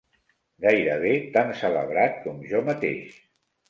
Gairebé tan celebrat com jo mateix!